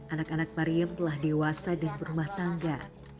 anak anak pariem telah dewasa dan berumah tangga